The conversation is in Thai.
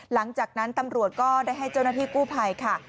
หลังจากนั้นตำรวจก็ได้ให้เจ้าหน้าที่กู้ภัยค่ะ